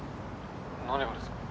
何がですか？